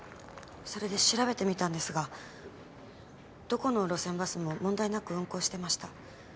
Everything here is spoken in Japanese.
それで調べてみたんですがどこの路線バスも問題なく運行してました。